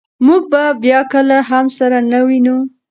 موږ به بیا کله هم سره نه وینو.